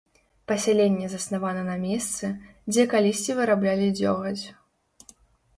Пасяленне заснавана на месцы, дзе калісьці выраблялі дзёгаць.